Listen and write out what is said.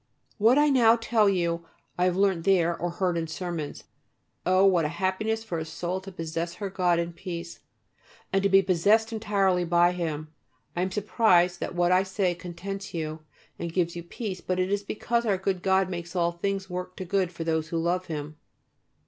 What I now tell you I have learnt there, or heard in sermons. Oh! what a happiness for a soul to possess her God in peace, and to be possessed entirely by Him! I am surprised that what I say contents you and gives you peace, but it is because our good God makes all things work to good for those who love Him.